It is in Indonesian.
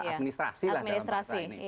administrasi lah dalam hal ini